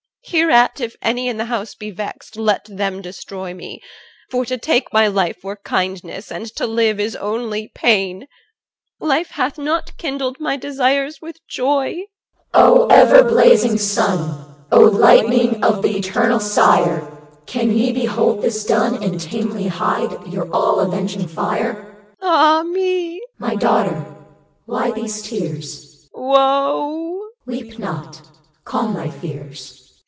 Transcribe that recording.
Hereat if any in the house be vexed, Let them destroy me; for to take my life Were kindness, and to live is only pain: Life hath not kindled my desires with joy. CH. 1. O ever blazing sun! I 1 O lightning of the eternal Sire! Can ye behold this done And tamely hide your all avenging fire? EL. Ah me! CH. 2. My daughter, why these tears? EL. Woe! CH. 3. Weep not, calm thy fears.